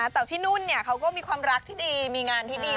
แต่พี่นุ่นเขาก็มีความรักที่ดีมีงานที่ดี